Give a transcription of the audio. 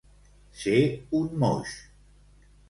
Ser un moix.